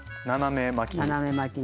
斜め巻き。